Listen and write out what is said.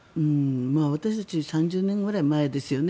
私たち３０年くらい前ですよね